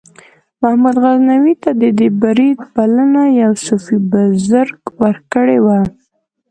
محمود غزنوي ته د دې برید بلنه یو صوفي بزرګ ورکړې وه.